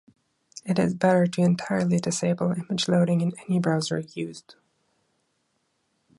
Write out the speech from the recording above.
It is better to entirely disable image loading in any browser used.